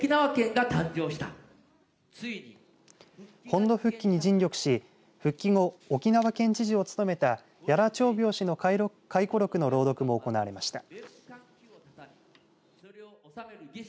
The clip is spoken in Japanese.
本土復帰に尽力し復帰後、沖縄県知事を務めた屋良朝苗氏の回顧録の朗読も行われました。